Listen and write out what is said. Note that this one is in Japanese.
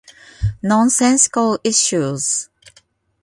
Nonsensical issues.